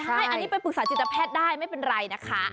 ใช่อันนี้ไปปรึกษาจิตแพทย์ได้ไม่เป็นไรนะคะ